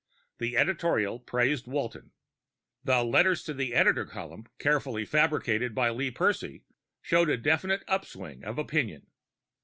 The editorial praised Walton. The letters to the editor column, carefully fabricated by Lee Percy, showed a definite upswing of opinion.